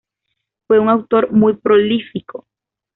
Fue un autor muy prolífico.